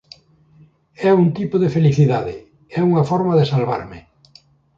É un tipo de felicidade e unha forma de salvarme.